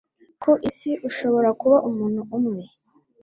Ku isi, ushobora kuba umuntu umwe,